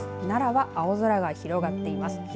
奈良は青空が広がっています。